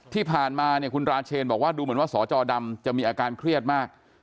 ที่ผ่านมาเนี่ยคุณราเชนบอกว่าดูเหมือนว่าสจดำจะมีอาการเครียดมาก